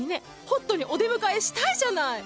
ホットにお出迎えしたいじゃない。